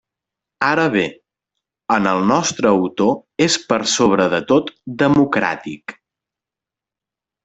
Ara bé, en el nostre autor és per sobre de tot democràtic.